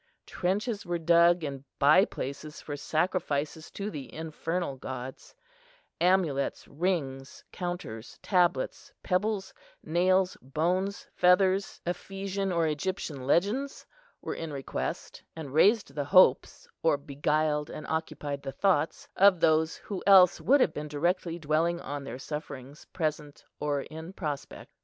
Trenches were dug in by places for sacrifices to the infernal gods; amulets, rings, counters, tablets, pebbles, nails, bones, feathers, Ephesian or Egyptian legends, were in request, and raised the hopes, or beguiled and occupied the thoughts, of those who else would have been directly dwelling on their sufferings, present or in prospect.